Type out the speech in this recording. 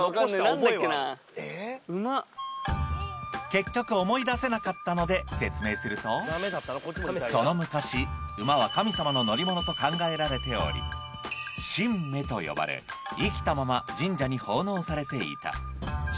結局思い出せなかったので説明するとその昔馬は神様の乗り物と考えられており神馬と呼ばれしかしそれだ！